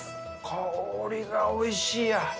香りがおいしいや。